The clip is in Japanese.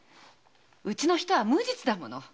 うちの人は無実だもの。